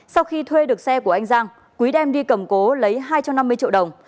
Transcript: sau khi thuê được xe của anh giang quý đem đi cầm cố lấy hai trăm năm mươi triệu đồng